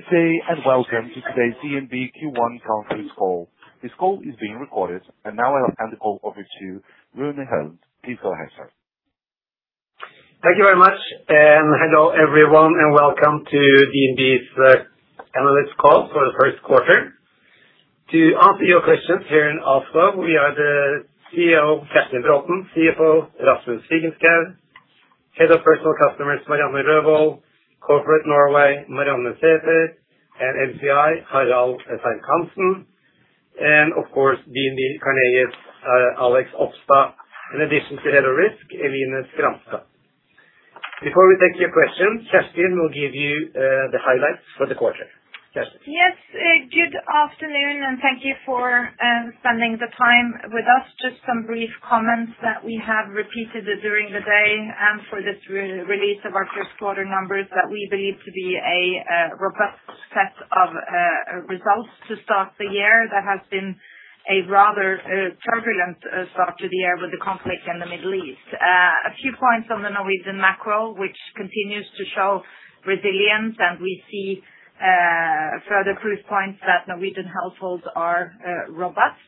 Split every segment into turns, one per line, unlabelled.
Good day, and welcome to today's DNB Q1 conference call. This call is being recorded. Now I'll hand the call over to Rune Helland. Please go ahead, sir.
Thank you very much. Hello everyone, and welcome to DNB's analyst call for the first quarter. To answer your questions here in Oslo, we are the CEO, Kjerstin Braathen, CFO, Rasmus Figenschou, Head of Personal Customers, Maria Ervik Løvold, Corporate Norway, Marianne Wik Sætre, and Large Corporates & International, Harald Serck-Hanssen, and of course, DNB Carnegie's Alexander Opstad, in addition to Head of Risk, Eline Skramstad. Before we take your questions, Kjerstin will give you the highlights for the quarter. Kjerstin.
Yes. Good afternoon, and thank you for spending the time with us. Just some brief comments that we have repeated during the day and for this release of our first quarter numbers that we believe to be a robust set of results to start the year, that has been a rather turbulent start to the year with the conflict in the Middle East. A few points on the Norwegian macro, which continues to show resilience, and we see further proof points that Norwegian households are robust.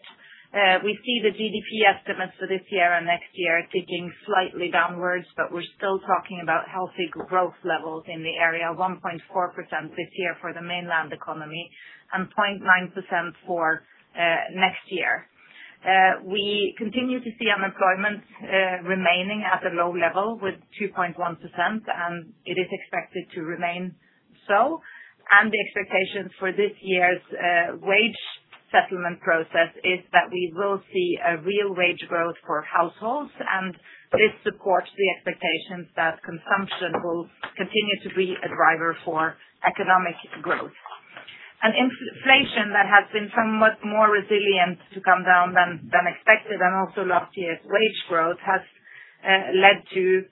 We see the GDP estimates for this year and next year ticking slightly downwards, but we're still talking about healthy growth levels in the area, 1.4% this year for the mainland economy and 0.9% for next year. We continue to see unemployment remaining at a low level with 2.1%, and it is expected to remain so. The expectations for this year's wage settlement process is that we will see a real wage growth for households, and this supports the expectations that consumption will continue to be a driver for economic growth. Inflation that has been somewhat more resilient to come down than expected and also last year's wage growth has led to,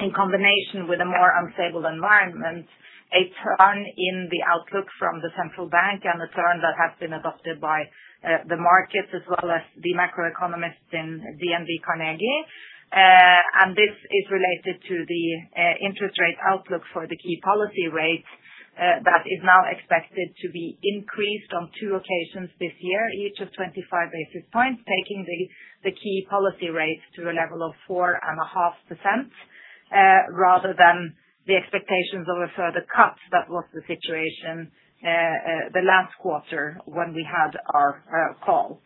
in combination with a more unstable environment, a turn in the outlook from the central bank and the turn that has been adopted by the markets as well as the macroeconomists in DNB Carnegie. This is related to the interest rate outlook for the key policy rates that is now expected to be increased on two occasions this year, each of 25 basis points, taking the key policy rates to a level of 4.5%, rather than the expectations of a further cut that was the situation the last quarter when we had our call.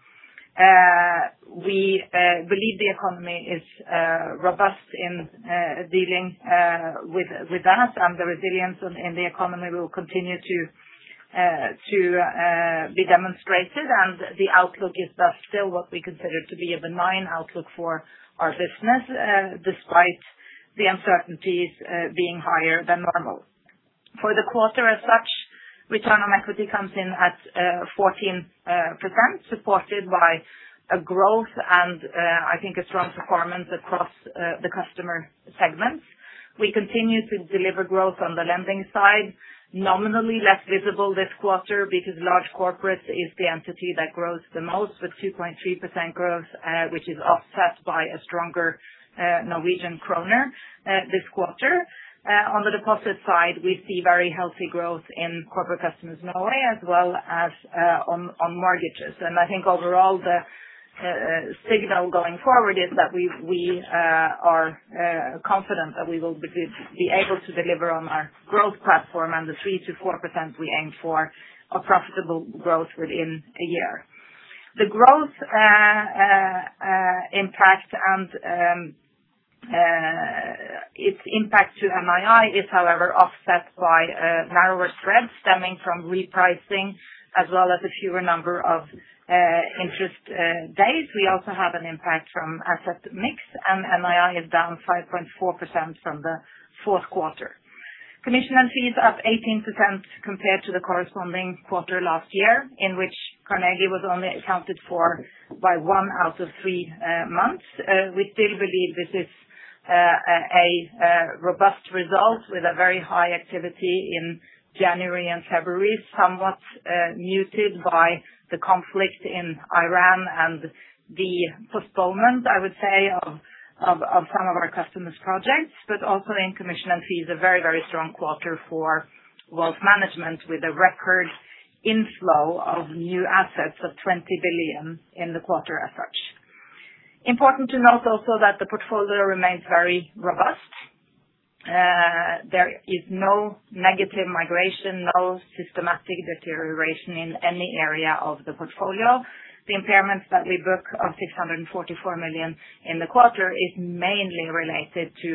We believe the economy is robust in dealing with that, and the resilience in the economy will continue to be demonstrated, and the outlook is thus still what we consider to be a benign outlook for our business, despite the uncertainties being higher than normal. For the quarter as such, return on equity comes in at 14%, supported by a growth and I think a strong performance across the customer segments. We continue to deliver growth on the lending side, nominally less visible this quarter because Large Corporates is the entity that grows the most with 2.3% growth, which is offset by a stronger Norwegian krone this quarter. On the deposit side, we see very healthy growth in corporate customers in Norway as well as on mortgages. I think overall the signal going forward is that we are confident that we will be able to deliver on our growth platform and the 3%-4% we aim for a profitable growth within a year. The growth impact and its impact to NII is however offset by narrower spreads stemming from repricing as well as a fewer number of interest days. We also have an impact from asset mix, and NII is down 5.4% from the fourth quarter. Commissions and fees up 18% compared to the corresponding quarter last year, in which Carnegie was only accounted for by one out of three months. We still believe this is a robust result with a very high activity in January and February, somewhat muted by the conflict in Iran and the postponement, I would say, of some of our customers' projects. Also in commissions and fees, a very strong quarter for wealth management with a record inflow of new assets of $20 billion in the quarter as such. Important to note also that the portfolio remains very robust. There is no negative migration, no systematic deterioration in any area of the portfolio. The impairments that we book of 644 million in the quarter is mainly related to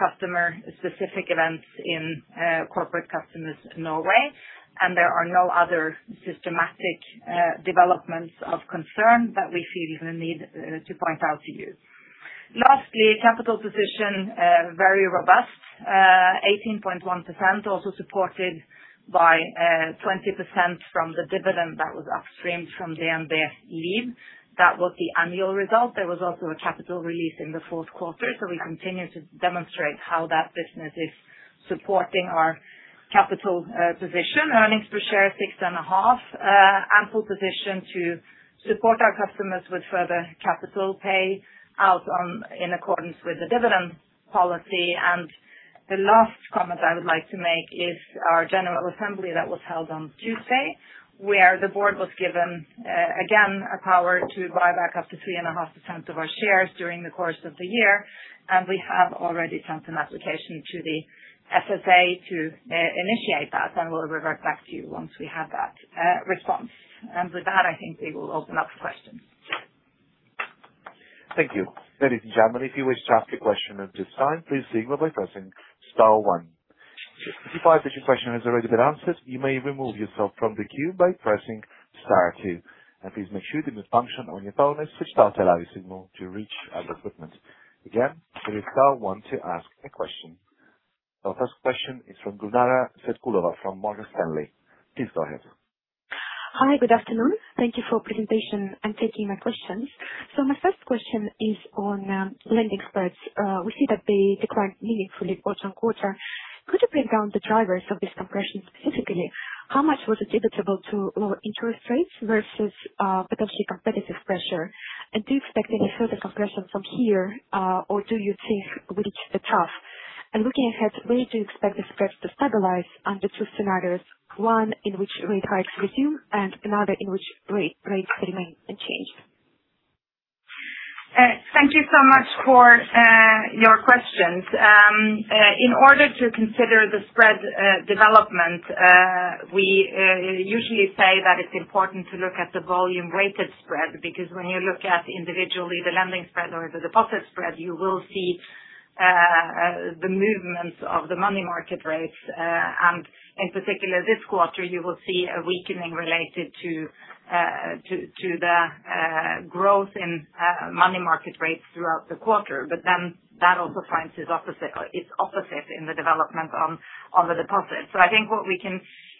customer specific events in corporate customers in Norway, and there are no other systematic developments of concern that we feel the need to point out to you. Lastly, capital position, very robust, 18.1%, also supported by 20% from the dividend that was upstreamed from DNB Livsforsikring. That was the annual result. There was also a capital release in the fourth quarter, so we continue to demonstrate how that business is supporting our capital position. Earnings per share 6.5. Ample position to support our customers with further capital payout in accordance with the dividend policy. The last comment I would like to make is our general assembly that was held on Tuesday, where the board was given, again, a power to buy back up to 3.5% of our shares during the course of the year, and we have already sent an application to the FSA to initiate that, and we'll revert back to you once we have that response. With that, I think we will open up for questions.
Thank you. Ladies and gentlemen, if you wish to ask a question at this time, please signal by pressing star one. If your question has already been answered, you may remove yourself from the queue by pressing star two, and please make sure the mute function on your phone is switched off to allow your signal to reach our equipment. Again, it is star one to ask a question. Our first question is from Gulnara Saitkulova from Morgan Stanley. Please go ahead.
Hi. Good afternoon. Thank you for the presentation and taking my questions. My first question is on lending spreads. We see that they declined meaningfully quarter-over-quarter. Could you break down the drivers of this compression specifically, how much was it attributable to lower interest rates versus potentially competitive pressure? And do you expect any further compression from here, or do you think we've reached the top? And looking ahead, where do you expect the spreads to stabilize under two scenarios, one in which rate hikes resume and another in which rates remain unchanged?
Thank you so much for your questions. In order to consider the spread development, we usually say that it's important to look at the volume weighted spread, because when you look at individually the lending spread or the deposit spread, you will see the movements of the money market rates, and in particular, this quarter, you will see a weakening related to the growth in money market rates throughout the quarter. That also finds its opposite in the development on the deposit. I think what we can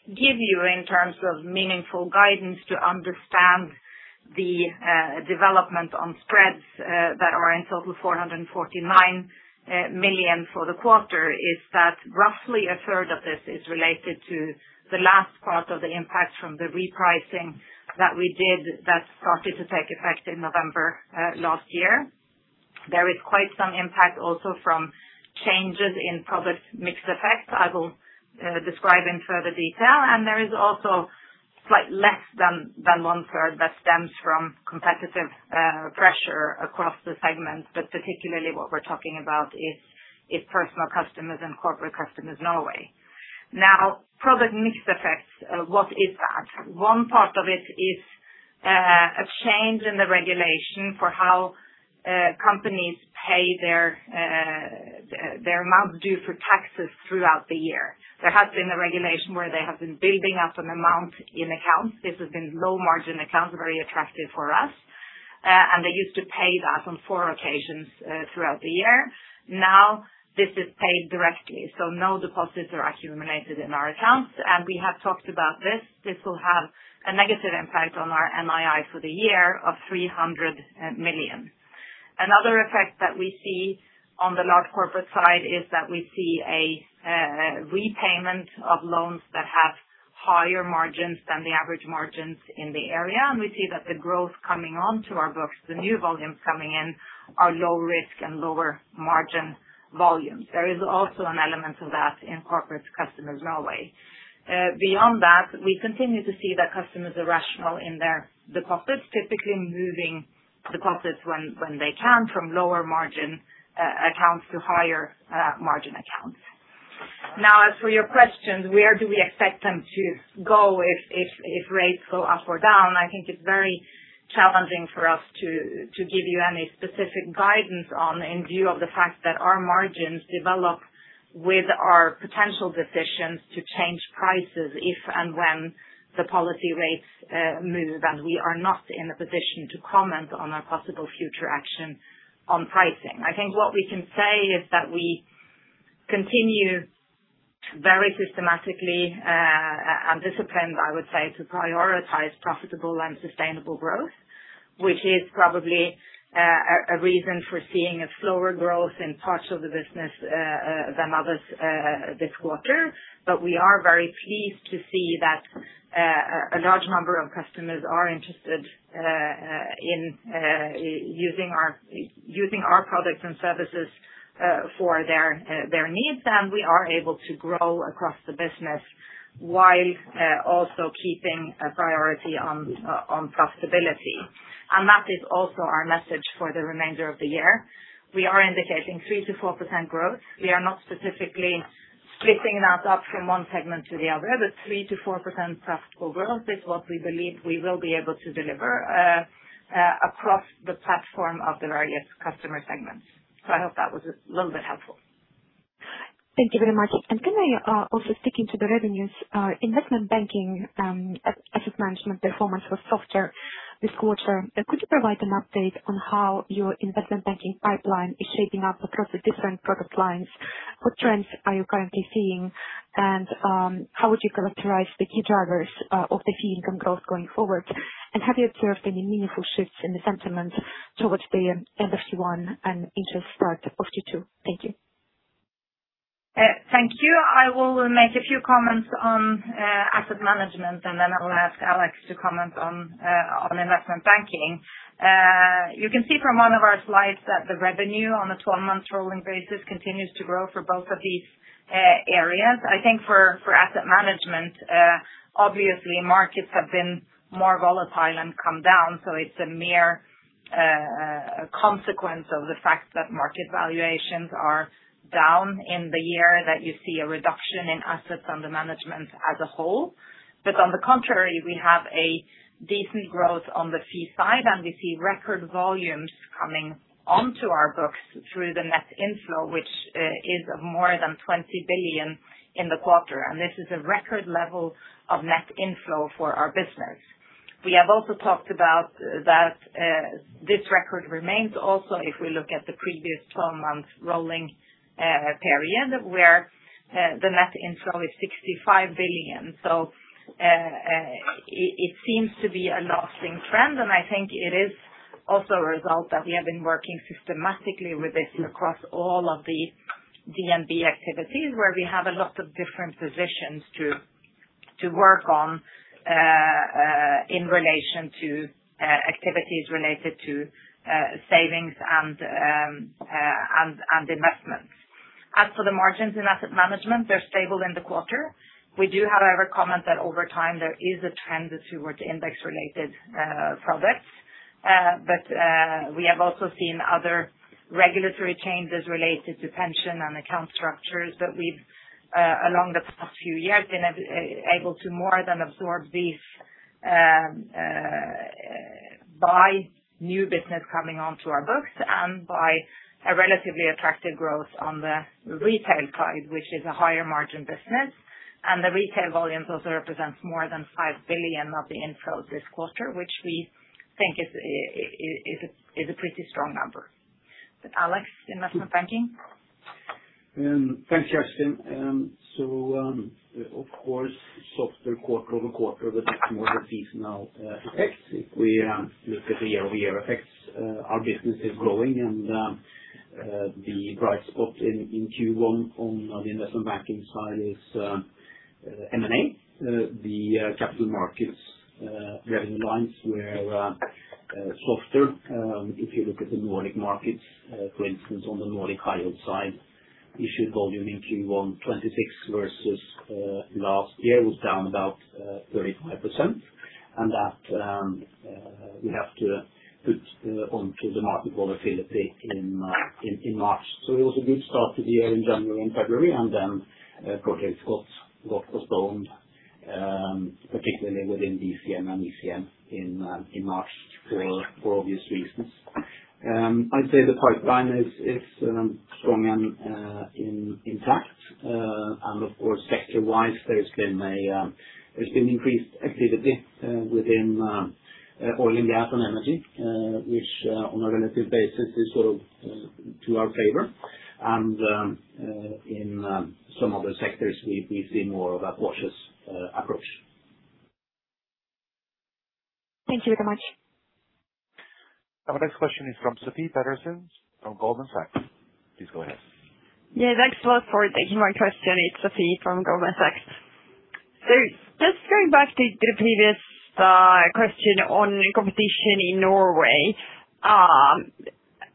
give you in terms of meaningful guidance to understand the development on spreads that are in total 449 million for the quarter is that roughly a third of this is related to the last part of the impact from the repricing that we did that started to take effect in November last year. There is quite some impact also from changes in product mix effects I will describe in further detail, and there is also slightly less than one-third that stems from competitive pressure across the segments, but particularly what we're talking about is personal customers and corporate customers Norway. Now, product mix effects. What is that? One part of it is a change in the regulation for how companies pay their amount due for taxes throughout the year. There has been a regulation where they have been building up an amount in accounts. This has been low margin accounts, very attractive for us. They used to pay that on four occasions throughout the year. Now this is paid directly, so no deposits are accumulated in our accounts. We have talked about this. This will have a negative impact on our NII for the year of 300 million. Another effect that we see on the large corporate side is that we see a repayment of loans that have higher margins than the average margins in the area. We see that the growth coming onto our books, the new volumes coming in, are low risk and lower margin volumes. There is also an element of that in Corporate Customers Norway. Beyond that, we continue to see that customers are rational in their deposits, typically moving deposits when they can from lower margin accounts to higher margin accounts. Now, as for your question, where do we expect them to go if rates go up or down? I think it's very challenging for us to give you any specific guidance on in view of the fact that our margins develop with our potential decisions to change prices if and when the policy rates move. We are not in a position to comment on our possible future action on pricing. I think what we can say is that we continue very systematically and disciplined, I would say, to prioritize profitable and sustainable growth, which is probably a reason for seeing a slower growth in parts of the business than others this quarter. We are very pleased to see that a large number of customers are interested in using our products and services for their needs, and we are able to grow across the business while also keeping a priority on profitability. That is also our message for the remainder of the year. We are indicating 3%-4% growth. We are not specifically splitting that up from one segment to the other, but 3%-4% profitable growth is what we believe we will be able to deliver across the platform of the various customer segments. I hope that was a little bit helpful.
Thank you very much. Can I, also sticking to the revenues, investment banking asset management performance was softer this quarter. Could you provide an update on how your investment banking pipeline is shaping up across the different product lines? What trends are you currently seeing? How would you characterize the key drivers of the fee income growth going forward? Have you observed any meaningful shifts in the sentiment towards the end of Q1 and into start of Q2? Thank you.
Thank you. I will make a few comments on asset management, and then I will ask Alex to comment on investment banking. You can see from one of our slides that the revenue on a 12-month rolling basis continues to grow for both of these areas. I think for asset management, obviously markets have been more volatile and come down. It's a mere consequence of the fact that market valuations are down in the year that you see a reduction in assets under management as a whole. On the contrary, we have a decent growth on the fee side, and we see record volumes coming onto our books through the net inflow, which is more than $20 billion in the quarter. This is a record level of net inflow for our business. We have also talked about that this record remains also if we look at the previous 12-month rolling period, where the net inflow is $65 billion. It seems to be a lasting trend, and I think it is also a result that we have been working systematically with this across all of the DNB activities, where we have a lot of different positions to work on in relation to activities related to savings and investments. As for the margins in asset management, they're stable in the quarter. We do, however, comment that over time there is a trend towards index-related products. We have also seen other regulatory changes related to pension and account structures that we've, along the past few years, been able to more than absorb these by new business coming onto our books and by a relatively attractive growth on the retail side, which is a higher margin business. The retail volume also represents more than 5 billion of the inflow this quarter, which we think is a pretty strong number. Alex, investment banking.
Thanks, Kjerstin. Of course, softer quarter-over-quarter, but that's more the seasonal effects. If we look at the year-over-year effects, our business is growing and the bright spot in Q1 on the investment banking side is M&A. The capital markets revenue lines were softer. If you look at the Nordic markets, for instance, on the Nordic high yield side, issued volume in Q1, 26 versus last year was down about 35%. That we have to put onto the market volatility in March. It was a good start to the year in January and February, and then projects got postponed, particularly within DCM and ECM in March for obvious reasons. I'd say the pipeline is strong and intact. Of course, sector-wise, there's been increased activity within oil and gas and energy, which, on a relative basis, is sort of to our favor. In some other sectors, we've seen more of a cautious approach.
Thank you very much.
Our next question is from Sofie Peterzens from Goldman Sachs. Please go ahead.
Yeah, thanks a lot for taking my question. It's Sofie from Goldman Sachs. Just going back to the previous question on competition in Norway.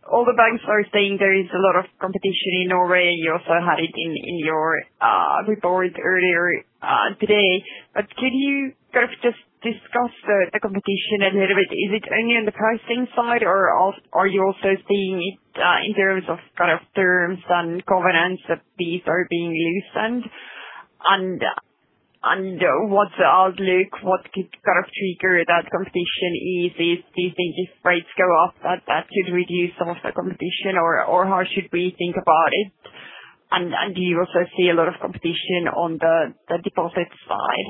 All the banks are saying there is a lot of competition in Norway. You also had it in your report earlier today. Could you just discuss the competition a little bit? Is it only on the pricing side, or are you also seeing it in terms of terms and covenants that these are being loosened? And what's the outlook? What could trigger that competition is if these rates go up, that should reduce some of the competition, or how should we think about it? And do you also see a lot of competition on the deposit side?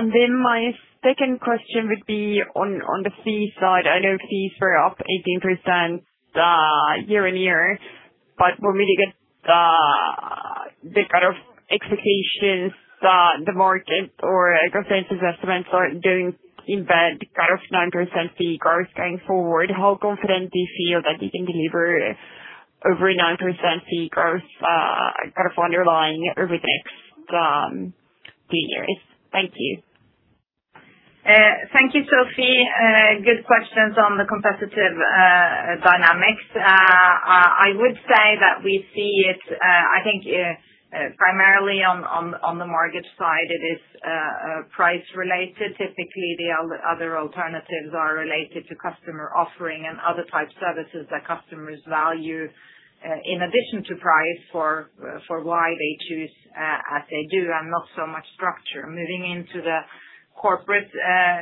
And then my second question would be on the fee side. I know fees were up 18% year-over-year. For me to get the kind of expectations that the market or consensus estimates are baking in, kind of 9% fee growth going forward, how confident do you feel that you can deliver over 9% fee growth kind of underlying over the next few years? Thank you.
Thank you, Sofie. Good questions on the competitive dynamics. I would say that we see it, I think primarily on the mortgage side, it is price related. Typically, the other alternatives are related to customer offering and other type services that customers value in addition to price for why they choose as they do, and not so much structure. Moving into the corporate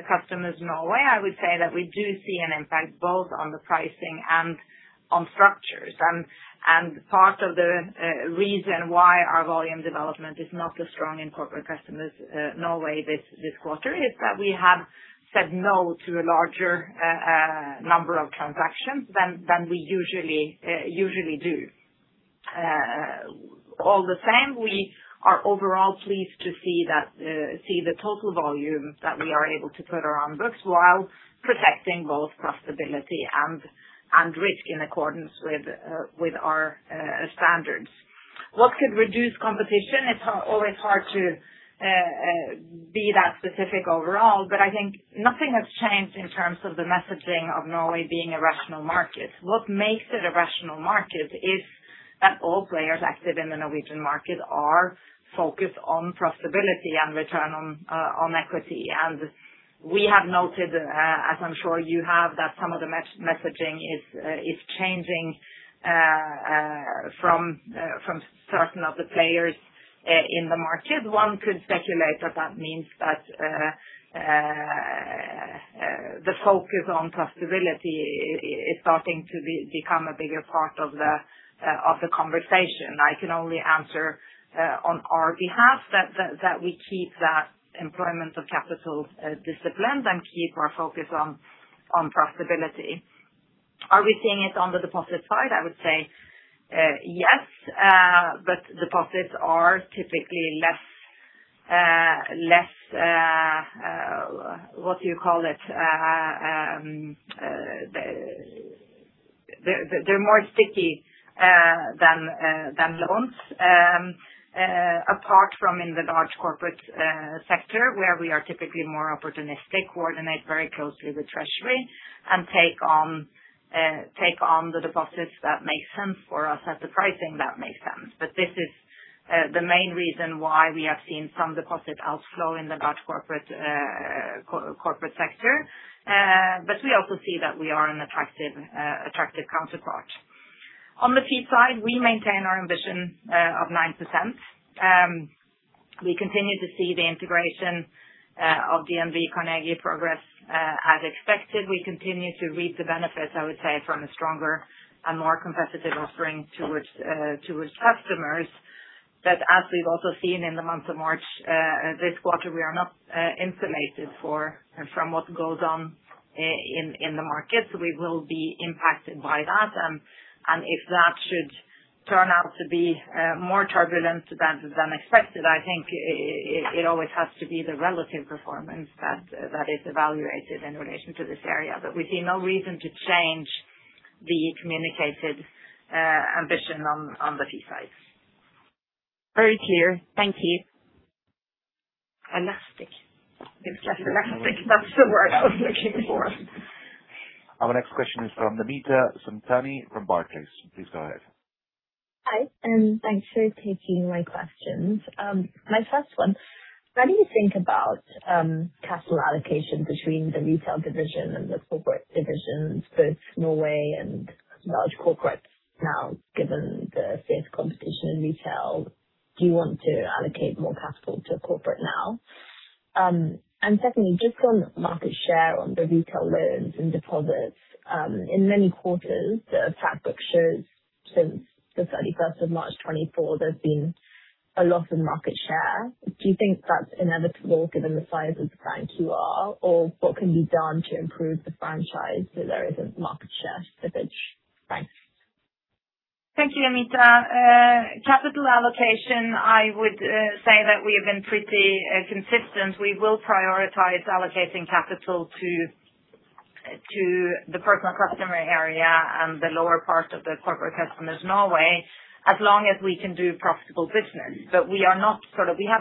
customers Norway, I would say that we do see an impact both on the pricing and on structures. Part of the reason why our volume development is not as strong in corporate customers Norway this quarter is that we have said no to a larger number of transactions than we usually do. All the same, we are overall pleased to see the total volume that we are able to put on books while protecting both profitability and risk in accordance with our standards. What could reduce competition? It's always hard to be that specific overall, but I think nothing has changed in terms of the messaging of Norway being a rational market. What makes it a rational market is that all players active in the Norwegian market are focused on profitability and return on equity. We have noted, as I'm sure you have, that some of the messaging is changing from certain of the players in the market. One could speculate that that means that the focus on profitability is starting to become a bigger part of the conversation. I can only answer on our behalf that we keep that employment of capital disciplined and keep our focus on profitability. Are we seeing it on the deposit side? I would say yes, but deposits are typically less, what do you call it? They're more sticky than loans. Apart from in the large corporate sector, where we are typically more opportunistic, coordinate very closely with treasury, and take on the deposits that make sense for us at the pricing that makes sense. This is the main reason why we have seen some deposit outflow in the large corporate sector. We also see that we are an attractive counterpart. On the fee side, we maintain our ambition of 9%. We continue to see the integration of DNB Carnegie progress as expected. We continue to reap the benefits, I would say, from a stronger and more competitive offering towards customers. As we've also seen in the month of March this quarter, we are not insulated from what goes on in the market. We will be impacted by that. If that should turn out to be more turbulent than expected, I think it always has to be the relative performance that is evaluated in relation to this area. We see no reason to change the communicated ambition on the fee side.
Very clear. Thank you.
Elastic.
Elastic. That's the word I was looking for.
Our next question is from Namita Samtani from Barclays. Please go ahead.
Hi, and thanks for taking my questions. My first one, how do you think about capital allocation between the retail division and the corporate divisions, both Norway and large corporate now, given the fierce competition in retail? Do you want to allocate more capital to corporate now? Secondly, just on market share on the retail loans and deposits. In many quarters, the fact book shows since the thirty-first of March 2024, there's been a loss in market share. Do you think that's inevitable given the size of the bank you are? Or what can be done to improve the franchise so there isn't market share slippage? Thanks.
Thank you, Namita. Capital allocation, I would say that we have been pretty consistent. We will prioritize allocating capital to the personal customer area and the lower part of the corporate customers Norway, as long as we can do profitable business. We have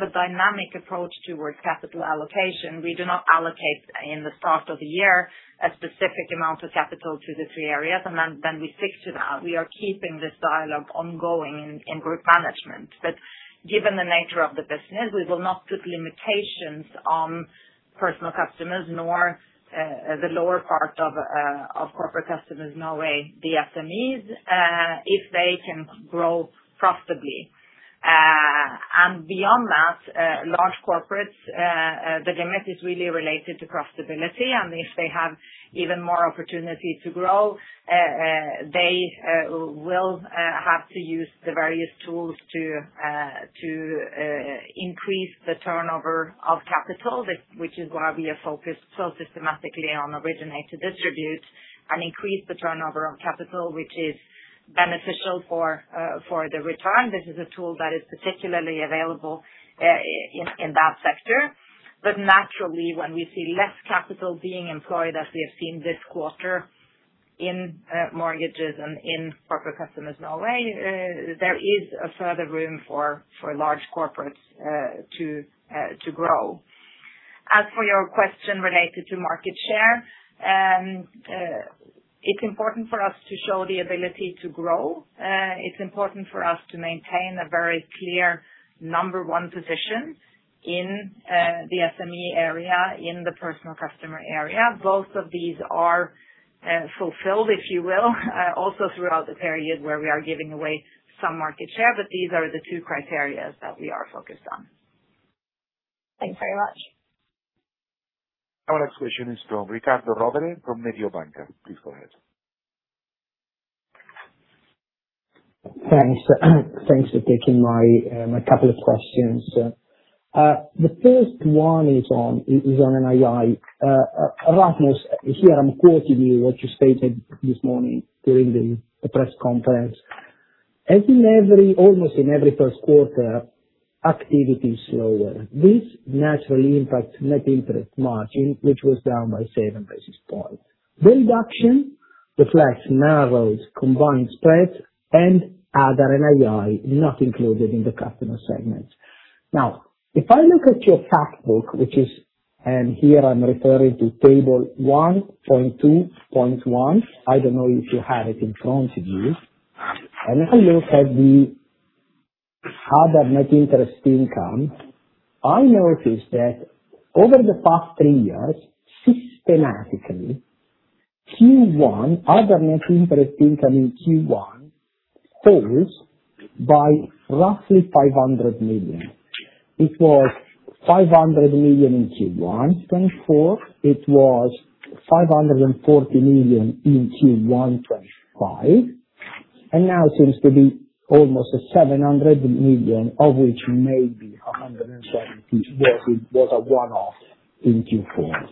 a dynamic approach towards capital allocation. We do not allocate in the start of the year a specific amount of capital to the three areas, and then we stick to that. We are keeping this dialogue ongoing in group management. Given the nature of the business, we will not put limitations on personal customers, nor the lower part of corporate customers, Norway, the SMEs, if they can grow profitably. Beyond that, large corporates, the limit is really related to profitability, and if they have even more opportunity to grow, they will have to use the various tools to increase the turnover of capital, which is why we are focused so systematically on originate to distribute and increase the turnover of capital, which is beneficial for the return. This is a tool that is particularly available in that sector. Naturally, when we see less capital being employed, as we have seen this quarter in mortgages and in corporate customers Norway, there is a further room for large corporates to grow. As for your question related to market share, it's important for us to show the ability to grow. It's important for us to maintain a very clear number one position in the SME area, in the personal customer area. Both of these are fulfilled, if you will, also throughout the period where we are giving away some market share, but these are the two criteria that we are focused on.
Thanks very much.
Our next question is from Riccardo Rovere, from Mediobanca. Please go ahead.
Thanks. Thanks for taking a couple of questions. The first one is on NII. Rasmus, here I'm quoting you, what you stated this morning during the press conference. "As almost in every first quarter, activity is slower. This naturally impacts net interest margin, which was down by seven basis points. The reduction reflects narrower combined spreads and other NII not included in the customer segments. Now, if I look at your fact book, and here I'm referring to table 1.2.1, I don't know if you have it in front of you. I look at the other net interest income, I notice that over the past three years, systematically, other net interest income in Q1 falls by roughly 500 million. It was 500 million in Q1 2024, it was 540 million in Q1 2025, and now it seems to be almost 700 million, of which maybe 170 million was a one-off in Q4.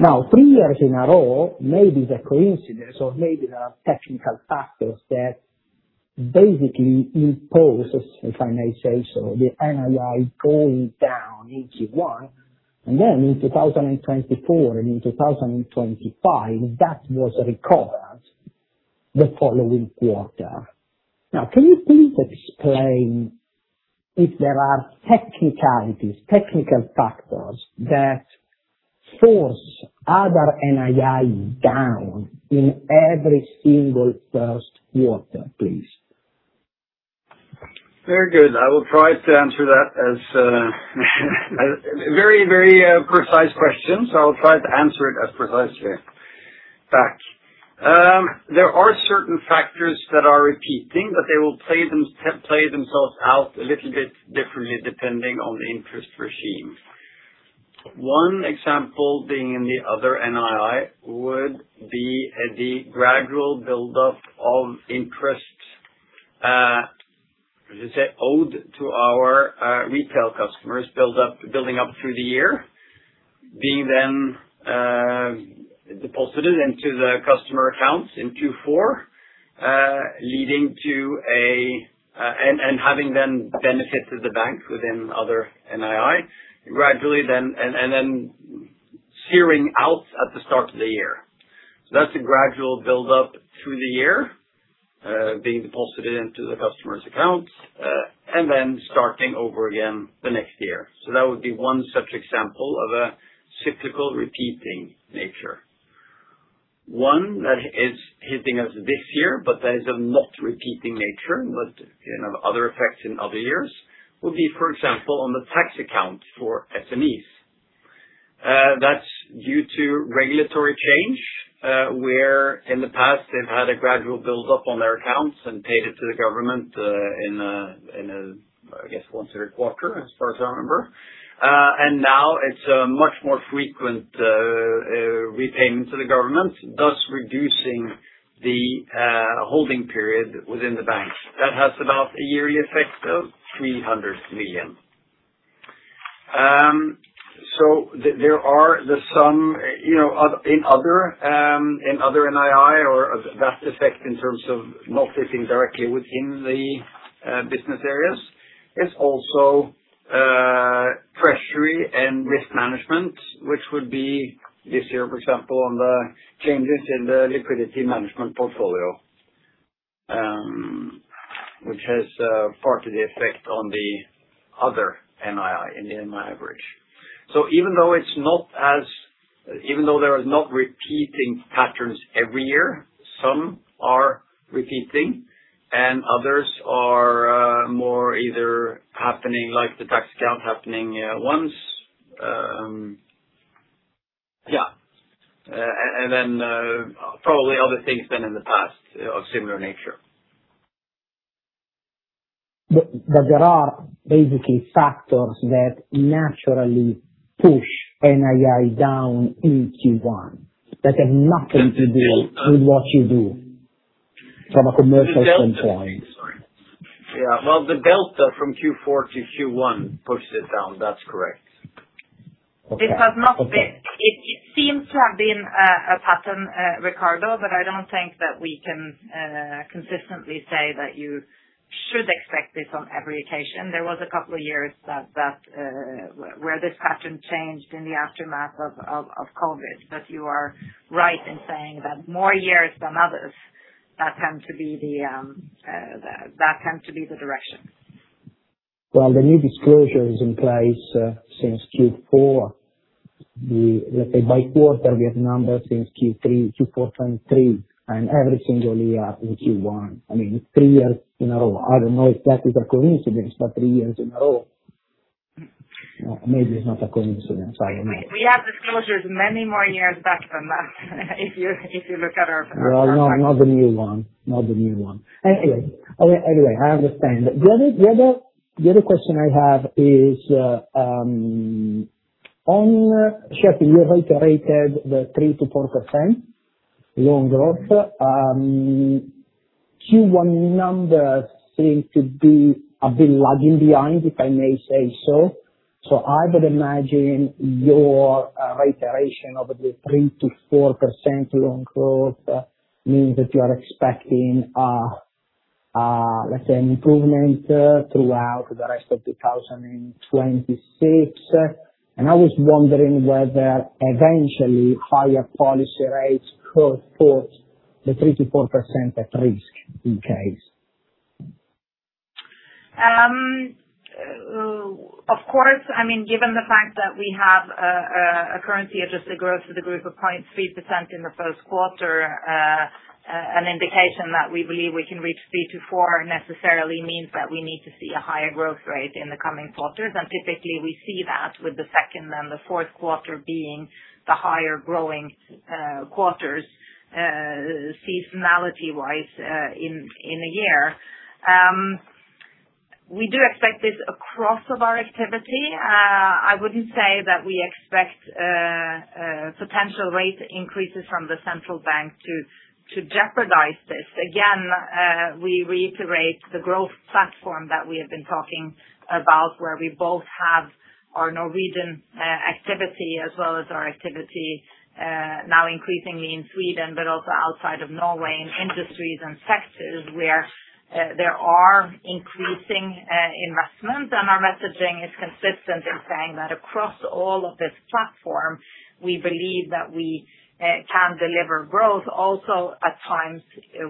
Now, three years in a row, maybe it's a coincidence or maybe there are technical factors that basically impose, if I may say so, the NII going down in Q1, and then in 2024 and in 2025, that was recovered the following quarter. Now, can you please explain if there are technicalities, technical factors, that force the NII down in every single first quarter, please?
Very good. Very precise question, so I'll try to answer it as precisely back. There are certain factors that are repeating, but they will play themselves out a little bit differently depending on the interest regime. One example being in the other NII would be the gradual build-up of interest, how do you say, owed to our retail customers building up through the year, being then deposited into the customer accounts in Q4, and having then benefited the bank within other NII gradually and then zeroing out at the start of the year. That's a gradual build-up through the year, being deposited into the customer's accounts, and then starting over again the next year. That would be one such example of a cyclical repeating nature. One that is hitting us this year, but that is of not repeating nature, with other effects in other years, would be, for example, on the tax account for SMEs. That's due to regulatory change, where in the past, they've had a gradual build-up on their accounts and paid it to the government in, I guess, once a quarter, as far as I remember. Now it's a much more frequent repayment to the government, thus reducing the holding period within the banks. That has about a yearly effect of 300 million. There are some in other NII, or that effect in terms of not sitting directly within the business areas, is also treasury and risk management, which would be this year, for example, on the changes in the liquidity management portfolio, which has partly the effect on the other NII in the NII average. Even though there is not repeating patterns every year, some are repeating, and others are more either happening like the tax account happening once. Yeah. Then, probably other things than in the past of similar nature.
There are basically factors that naturally push NII down in Q1 that have nothing to do with what you do from a commercial standpoint.
Yeah. Well, the delta from Q4 to Q1 pushes it down. That's correct.
Okay.
It seems to have been a pattern, Riccardo, but I don't think that we can consistently say that you should expect this on every occasion. There was a couple of years where this pattern changed in the aftermath of COVID. You are right in saying that more years than others, that tends to be the direction.
Well, the new disclosure is in place since Q4. Let's say, by quarter, we have numbers since Q4 2023, and every single year in Q1. It's three years in a row. I don't know if that is a coincidence, but three years in a row. Maybe it's not a coincidence, I don't know.
We have disclosures many more years back than that if you look at our.
No, not the new one. Anyway, I understand. The other question I have is on, Kjerstin, you have iterated the 3%-4% loan growth. Q1 numbers seem to be a bit lagging behind, if I may say so. I would imagine your reiteration of the 3%-4% loan growth means that you are expecting let's say, an improvement throughout the rest of 2026. I was wondering whether eventually higher policy rates could put the 3%-4% at risk in case.
Of course, given the fact that we have a currency adjusted growth for the group of 0.3% in the first quarter. An indication that we believe we can reach 3%-4% necessarily means that we need to see a higher growth rate in the coming quarters. Typically we see that with the second and the fourth quarter being the higher growing quarters seasonality-wise in a year. We do expect this across all of our activity. I wouldn't say that we expect potential rate increases from the central bank to jeopardize this. Again, we reiterate the growth platform that we have been talking about, where we both have our Norwegian activity as well as our activity now increasingly in Sweden, but also outside of Norway in industries and sectors where there are increasing investments, and our messaging is consistent in saying that across all of this platform, we believe that we can deliver growth also at times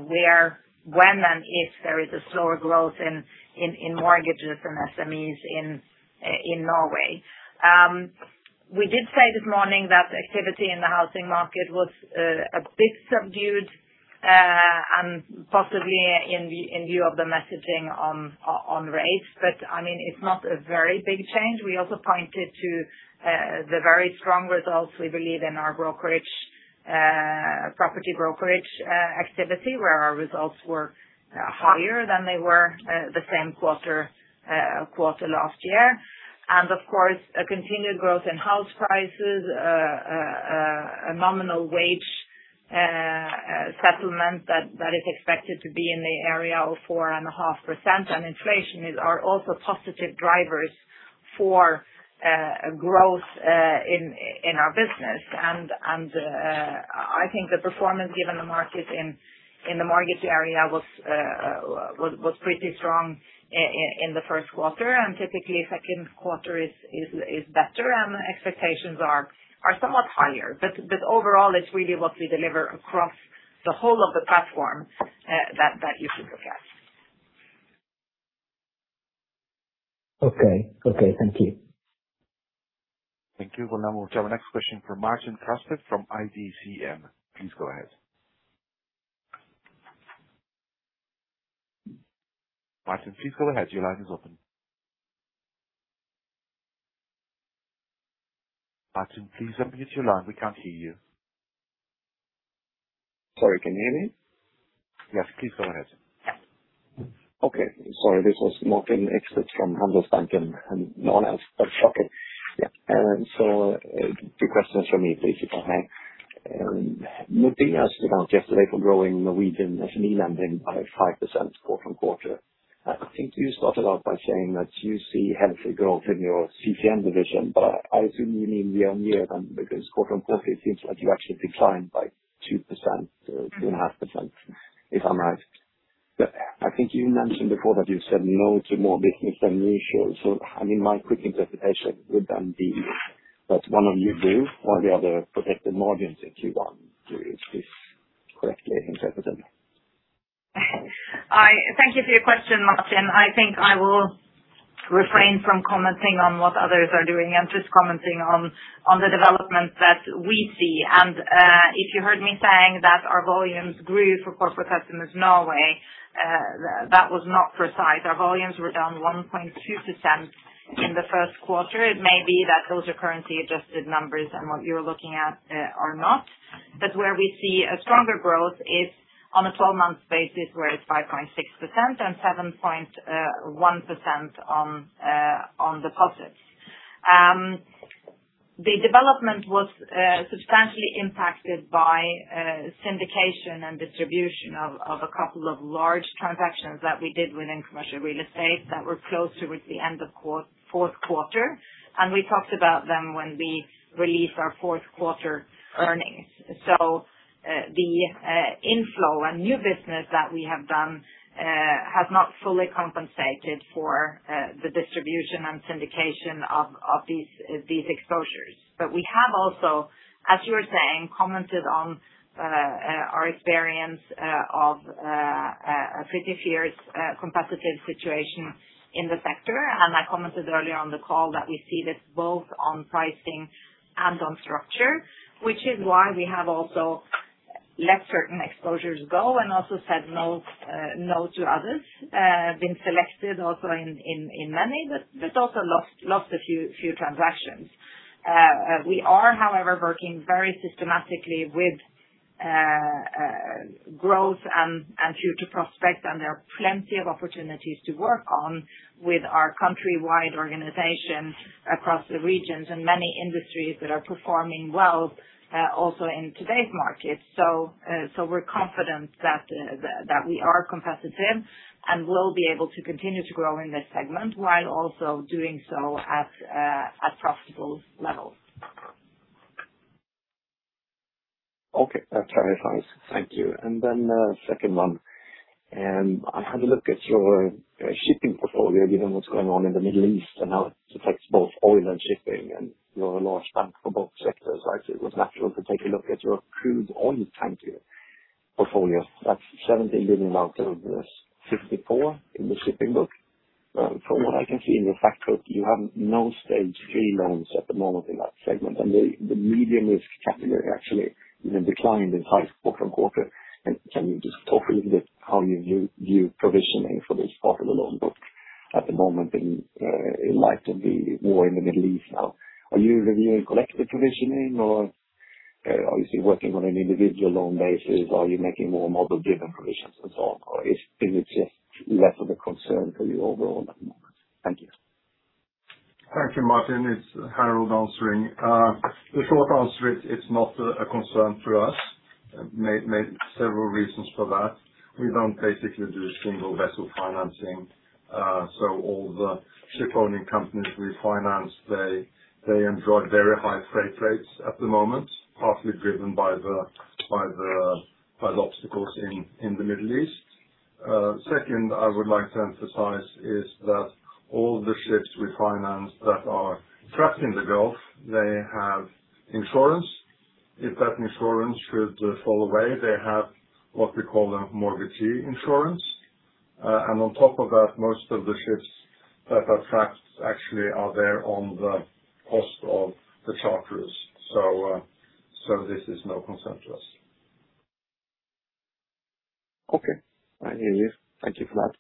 where, when, and if there is a slower growth in mortgages and SMEs in Norway. We did say this morning that activity in the housing market was a bit subdued and possibly in view of the messaging on rates. It's not a very big change. We also pointed to the very strong results we believe in our brokerage, property brokerage activity where our results were higher than they were the same quarter last year. Of course, a continued growth in house prices, a nominal wage settlement that is expected to be in the area of 4.5%, and inflation are also positive drivers for growth in our business. I think the performance given the market in the mortgage area was pretty strong in the first quarter, and typically second quarter is better and expectations are somewhat higher. Overall it's really what we deliver across the whole of the platform that you should look at.
Okay. Thank you.
Thank you. Well, now we'll go to our next question from Martin Ekstedt from IDCM. Please go ahead. Martin, please go ahead. Your line is open. Martin, please unmute your line. We can't hear you.
Sorry, can you hear me?
Yes, please go ahead.
Okay. Sorry, this was Martin Ekstedt from Handelsbanken and no one else. How shocking. Yeah. Two questions from me, please, if I may. Nordea spoke out yesterday for growing Norwegian SME lending by 5% quarter-on-quarter. I think you started out by saying that you see healthy growth in your CCM division, but I assume you mean year-on-year then, because quarter-on-quarter it seems like you actually declined by 2%, 2.5% if I'm right. I think you mentioned before that you said no to more business than usual. My quick interpretation would then be that one of you grew while the other protected margins if that's correctly interpreted.
Thank you for your question, Martin. I think I will refrain from commenting on what others are doing and just commenting on the development that we see. If you heard me saying that our volumes grew for corporate customers Norway, that was not precise. Our volumes were down 1.2% in the first quarter. It may be that those are currency adjusted numbers and what you're looking at are not. Where we see a stronger growth is on a 12-month basis, where it's 5.6% and 7.1% on deposits. The development was substantially impacted by syndication and distribution of a couple of large transactions that we did within commercial real estate that were closed towards the end of fourth quarter. We talked about them when we released our fourth quarter earnings. The inflow and new business that we have done has not fully compensated for the distribution and syndication of these exposures. We have also, as you were saying, commented on our experience of a pretty fierce competitive situation in the sector. I commented earlier on the call that we see this both on pricing and on structure, which is why we have also let certain exposures go and also said no to others. We have been selected also in many, but also lost a few transactions. We are, however, working very systematically with growth and future prospects, and there are plenty of opportunities to work on with our countrywide organization across the regions and many industries that are performing well also in today's markets. We're confident that we are competitive and will be able to continue to grow in this segment while also doing so at profitable levels.
Okay. That's very nice. Thank you. The second one, I had a look at your shipping portfolio, given what's going on in the Middle East and how it affects both oil and shipping, and you're a large bank for both sectors. I think it was natural to take a look at your crude oil tanker portfolio. That's $17 billion out of this $54 billion in the shipping book. From what I can see in the fact book, you have no stage three loans at the moment in that segment, and the medium risk category actually declined in size quarter-over-quarter. Can you just talk a little bit how you view provisioning for this part of the loan book at the moment in light of the war in the Middle East now? Are you reviewing collective provisioning or are you working on an individual loan basis? Are you making more model-driven provisions as well, or is it just less of a concern for you overall at the moment? Thank you.
Thank you, Martin. It's Harald answering. The short answer, it's not a concern for us. Several reasons for that. We don't basically do single vessel financing. All the ship owning companies we finance, they enjoy very high freight rates at the moment, partly driven by the obstacles in the Middle East. Second, I would like to emphasize, is that all the ships we finance that are trapped in the Gulf, they have insurance. If that insurance should fall away, they have what we call a mortgagee insurance. On top of that, most of the ships that are trapped actually are there on the cost of the charters. This is no concern to us.
Okay. I hear you. Thank you for that.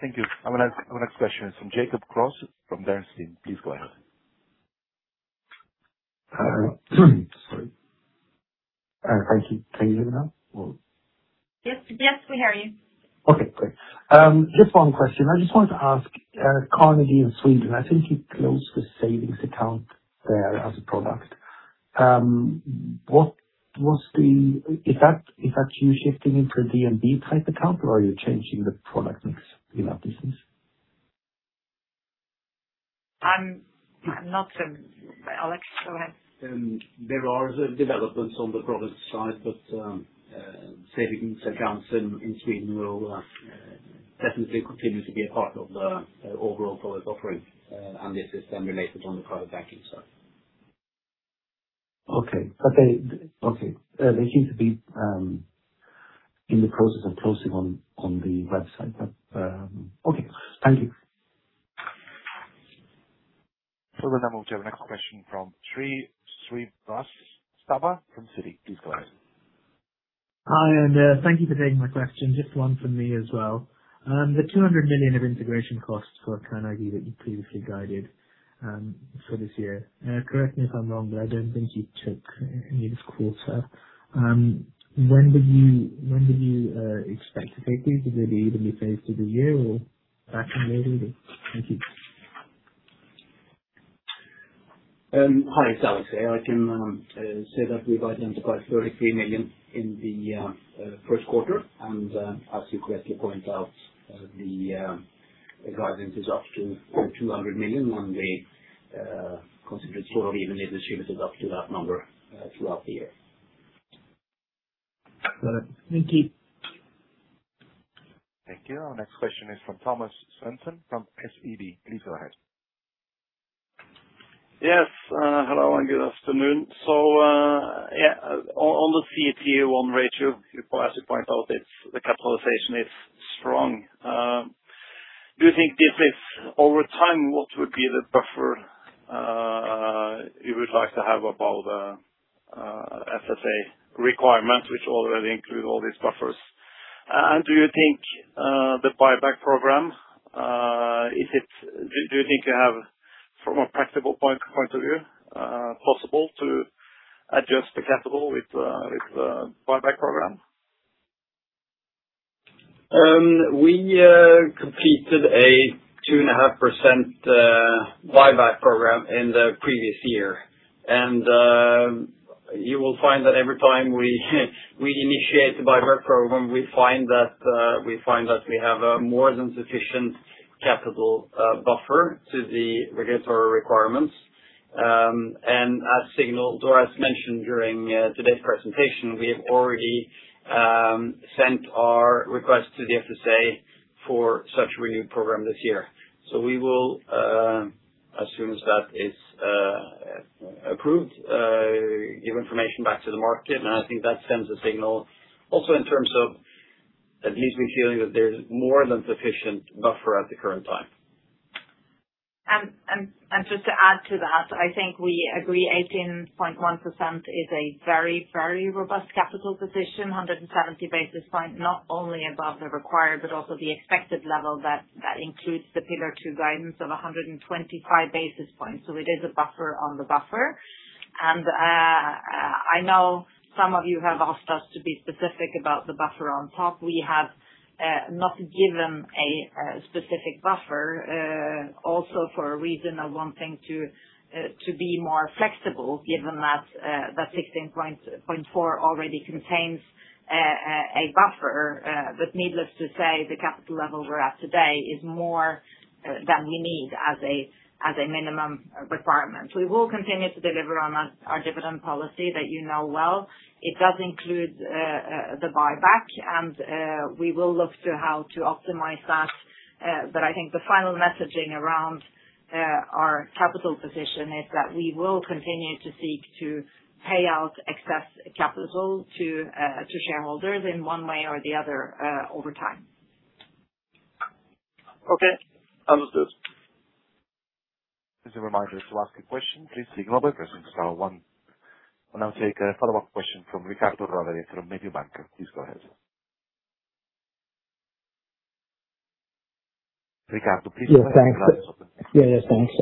Thank you. Our next question is from Jacob Kruse from Bernstein. Please go ahead.
Sorry. Can you hear me now?
Yes, we hear you.
Okay, great. Just one question. I just wanted to ask, Carnegie in Sweden, I think you closed the savings account there as a product. Is that you shifting into a DNB type account or are you changing the product mix in that business?
Alex, go ahead.
There are developments on the product side, but savings accounts in Sweden will definitely continue to be a part of the overall product offering, and this is then related on the private banking side.
Okay. They seem to be in the process of closing on the website, but okay. Thank you.
We'll move to the next question from Shrey Srivastava from Citi. Please go ahead.
Hi, and thank you for taking my question. Just one from me as well. The $200 million of integration costs for Carnegie that you previously guided for this year, correct me if I'm wrong, but I don't think you took any this quarter. When did you expect to take these? Will they be evenly phased through the year or back-ended? Thank you.
Hi, it's Alex here. I can say that we've identified 33 million in the first quarter, and as you correctly point out, the guidance is up to $200 million on the considerate story, even if the stream is up to that number throughout the year.
Got it. Thank you.
Thank you. Our next question is from Thomas Svendsen from SEB. Please go ahead.
Yes. Hello and good afternoon. On the CET1 ratio, as you point out, the capitalization is strong. Do you think this is over time, what would be the buffer you would like to have above the FSA requirements, which already include all these buffers? Do you think you have, from a practical point of view, possible to adjust the capital with the buyback program?
We completed a 2.5% buyback program in the previous year. You will find that every time we initiate the buyback program, we find that we have a more than sufficient capital buffer to the regulatory requirements. As signaled or as mentioned during today's presentation, we have already sent our request to the FSA for such renewed program this year. We will, as soon as that is approved, give information back to the market. I think that sends a signal also in terms of at least we feel that there's more than sufficient buffer at the current time.
Just to add to that, I think we agree 18.1% is a very, very robust capital position, 170 basis points, not only above the required but also the expected level that includes the Pillar Two guidance of 125 basis points. It is a buffer on the buffer. I know some of you have asked us to be specific about the buffer on top. We have not given a specific buffer, also for a reason of wanting to be more flexible, given that the 16.4 already contains a buffer. Needless to say, the capital level we're at today is more than we need as a minimum requirement. We will continue to deliver on our dividend policy that you know well. It does include the buyback, and we will look to how to optimize that. I think the final messaging around our capital position is that we will continue to seek to pay out excess capital to shareholders in one way or the other over time.
Okay. Understood.
Just a reminder, to ask a question, please press star one. We'll now take a follow-up question from Riccardo Rovere from Mediobanca. Please go ahead. Riccardo, please go ahead.
Yeah, thanks.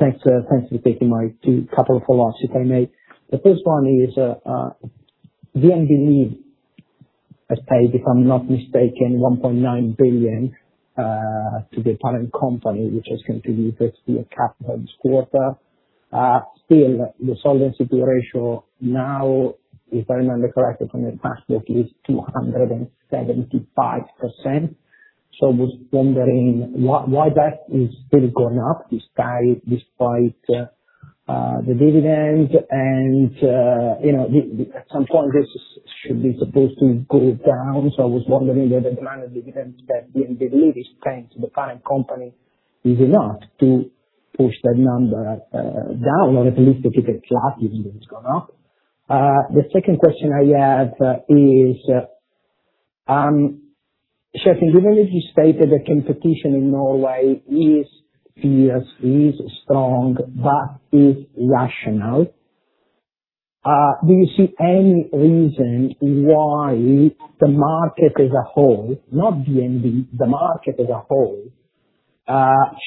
Thanks for taking my two couple of follow-ups, if I may. The first one is, DNB paid, if I'm not mistaken, 1.9 billion to the parent company, which has contributed to the capital this quarter. Still, the solvency ratio now, if I remember correctly from the prospectus, is 275%. I was wondering why that is still going up despite the dividend, and at some point, this should be supposed to go down. I was wondering whether the amount of dividends that DNB is paying to the parent company is enough to push that number down or at least to keep it flat even though it's gone up. The second question I have is, Kjerstin, given that you stated that competition in Norway is fierce, is strong, but is rational, do you see any reason why the market as a whole, not DNB, the market as a whole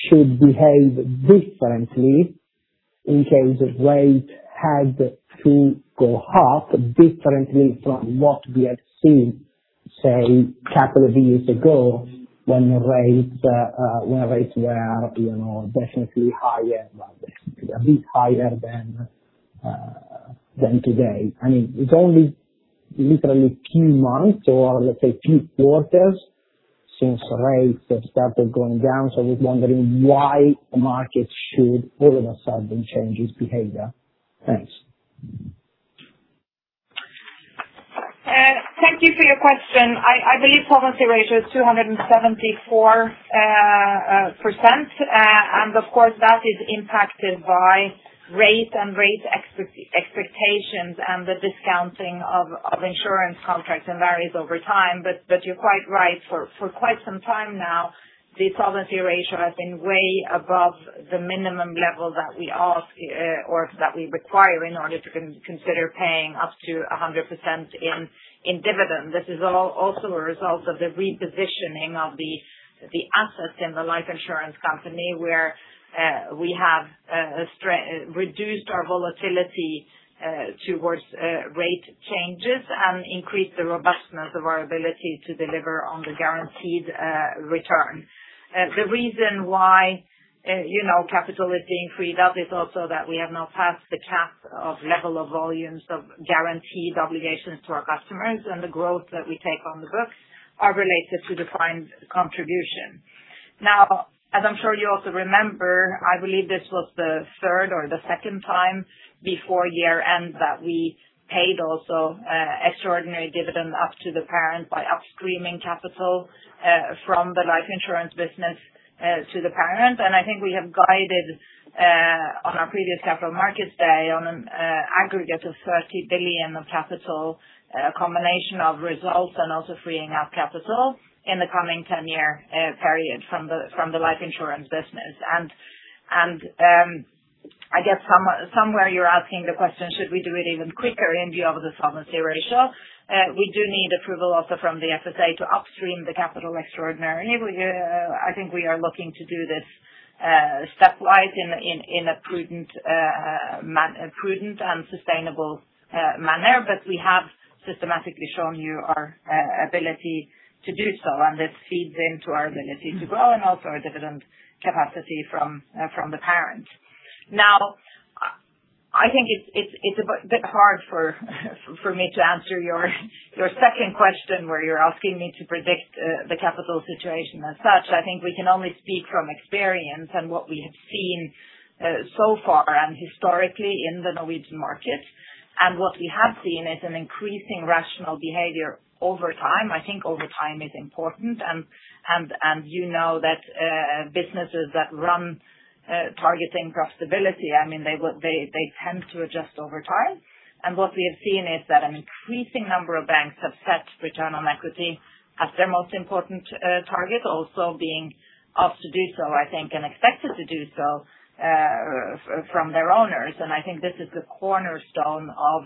should behave differently in case rates had to go up differently from what we have seen, say, a couple of years ago when rates were definitely a bit higher than today? It's only literally a few months or let's say a few quarters since rates have started going down. So I was wondering why the market should all of a sudden change its behavior. Thanks.
Thank you for your question. I believe the solvency ratio is 274%, and of course, that is impacted by rates and rate expectations and the discounting of insurance contracts and varies over time. You're quite right, for quite some time now, the solvency ratio has been way above the minimum level that we require in order to consider paying up to 100% in dividend. This is also a result of the repositioning of the assets in the life insurance company, where we have reduced our volatility towards rate changes and increased the robustness of our ability to deliver on the guaranteed return. The reason why capital is being freed up is also that we have now passed the cap of level of volumes of guaranteed obligations to our customers, and the growth that we take on the books are related to defined contribution. Now, as I'm sure you also remember, I believe this was the third or the second time before year-end that we paid also extraordinary dividend up to the parent by upstreaming capital from the life insurance business to the parent. I think we have guided on our previous Capital Markets Day on an aggregate of 30 billion of capital, a combination of results and also freeing up capital in the coming 10-year period from the life insurance business. I guess somewhere you're asking the question, should we do it even quicker in view of the solvency ratio? We do need approval also from the FSA to upstream the capital extraordinary. I think we are looking to do this step-wise in a prudent and sustainable manner. We have systematically shown you our ability to do so, and this feeds into our ability to grow and also our dividend capacity from the parent. Now, I think it's a bit hard for me to answer your second question, where you're asking me to predict the capital situation as such. I think we can only speak from experience and what we have seen so far and historically in the Norwegian market. What we have seen is an increasing rational behavior over time. I think over time is important, and you know that businesses that run targeting profitability, they tend to adjust over time. What we have seen is that an increasing number of banks have set return on equity as their most important target, also being asked to do so, I think, and expected to do so from their owners. I think this is the cornerstone of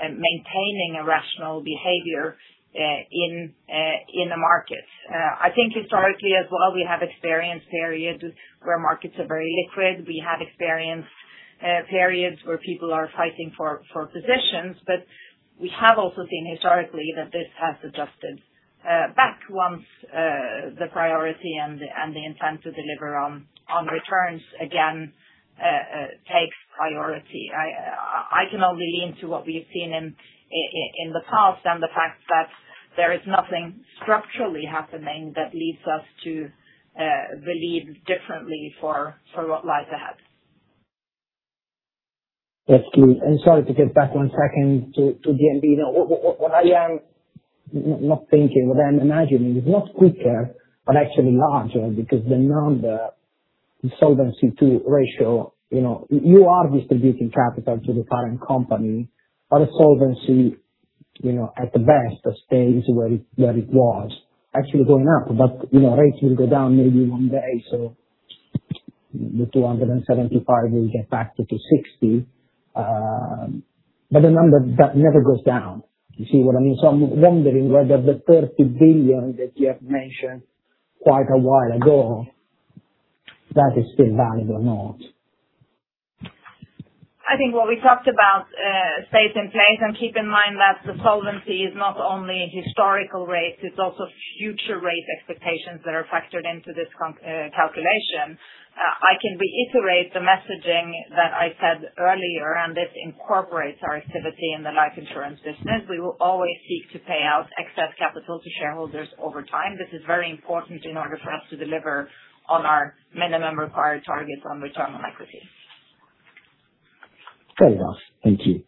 and maintaining a rational behavior in the market. I think historically as well, we have experienced periods where markets are very liquid. We have experienced periods where people are fighting for positions, but we have also seen historically that this has adjusted back once the priority and the intent to deliver on returns again takes priority. I can only lean to what we've seen in the past and the fact that there is nothing structurally happening that leads us to believe differently for what lies ahead.
Yes, please, sorry to get back one second to DNB. What I'm imagining is not quicker but actually larger because the number, the Solvency II ratio, you are distributing capital to the parent company or the Solvency II, at best, stays where it was. Actually going up, but rates will go down maybe one day, so the 275 will get back to 260. But the number, that never goes down. You see what I mean? I'm wondering whether the 30 billion that you have mentioned quite a while ago, that is still valid or not.
I think what we talked about stays in place, and keep in mind that the solvency is not only historical rates, but it's also future rate expectations that are factored into this calculation. I can reiterate the messaging that I said earlier, and this incorporates our activity in the life insurance business. We will always seek to pay out excess capital to shareholders over time. This is very important in order for us to deliver on our minimum required targets on return on equity.
Fair enough. Thank you.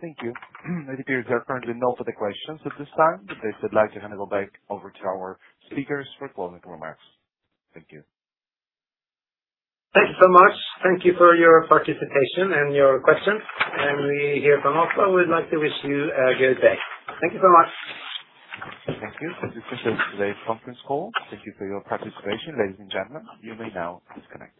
Thank you. It appears there are currently no further questions at this time. With this, I'd like to hand it back over to our speakers for closing remarks. Thank you.
Thank you so much. Thank you for your participation and your questions, and we here from Oslo would like to wish you a good day. Thank you so much.
Thank you. This concludes today's conference call. Thank you for your participation, ladies and gentlemen. You may now disconnect.